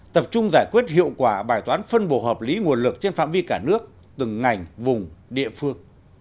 tập trung giải quyết hiệu quả bài toán phân bổ hợp lý nguồn lực trên phạm vi cả nước từng ngành vùng địa phương